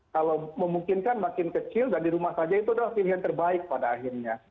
kalau memungkinkan makin kecil dan di rumah saja itu adalah pilihan terbaik pada akhirnya